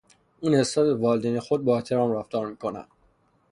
او نسبت به والدین خود با احترام رفتار میکند.